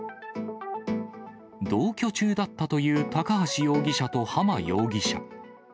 同居中だったという高橋容疑者と浜容疑者。